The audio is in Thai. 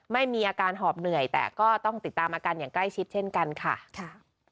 ไม่มีอาการหอบเหนื่อยแต่ก็ต้องติดตามอาการอย่างใกล้ชิดเช่นกันค่ะ